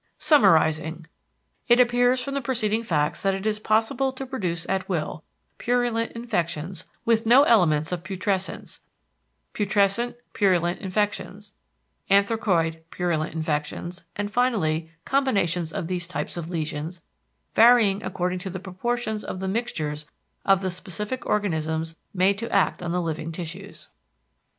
Summarizing—it appears from the preceding facts that it is possible to produce at will, purulent infections with no elements of putrescence, putrescent purulent infections, anthracoid purulent infections, and finally combinations of these types of lesions varying according to the proportions of the mixtures of the specific organisms made to act on the living tissues.